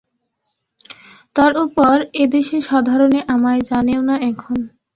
তার ওপর এদেশে সাধারণে আমায় জানেও না এখন।